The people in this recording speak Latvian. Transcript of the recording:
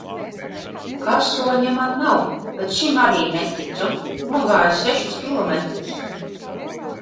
Karsoņa man nav, bet šim arī neticu. Nogāju sešus kilometrus.